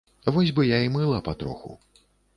Вось бы я і мыла патроху.